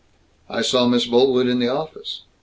"I saw Miss Boltwood in the office."